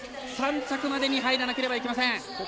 ３着までに入らなければいけません。